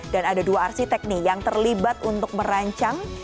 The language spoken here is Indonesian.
dan ada dua arsitek nih yang terlibat untuk merancang